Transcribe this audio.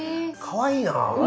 かわいい。